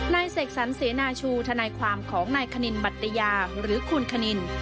นายเสกศรเสนาชูทนายความของนายขนินบัตยาหรือคุณถนน